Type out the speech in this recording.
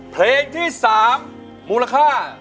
เพลงที่๓มูลค่า๔๐๐๐๐นะครับ